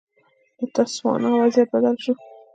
د تسوانا وضعیت بدل شو.